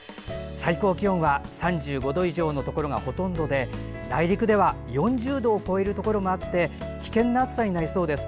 最高気温は３５度以上のところがほとんどで内陸では４０度を超えるところもあり危険な暑さになりそうです。